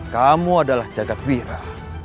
kamu adalah jagadwira